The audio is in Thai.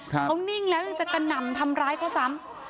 เขานิ่งแล้วยังจะกระหน่ำทำร้ายเขาซ้ำ